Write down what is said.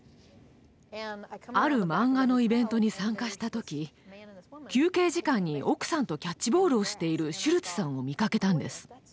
あるマンガのイベントに参加した時休憩時間に奥さんとキャッチボールをしているシュルツさんを見かけたんです。